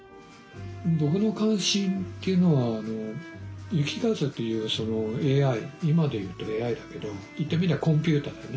僕の関心っていうのは雪風というＡＩ今で言うとＡＩだけど言ってみりゃコンピューターだよね。